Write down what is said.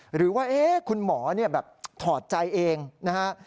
หรือว่าคุณหมอแบบถอดใจเองนะฮะ